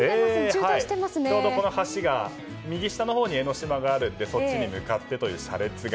ちょうど、この橋右下のほうに江の島があるのでそっちに向かってという車列が。